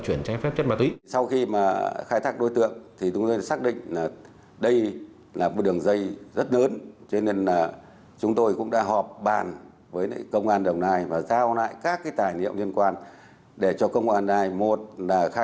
chuyên án trị khai rất nhiều mũi phối hợp với công an tỉnh hà tĩnh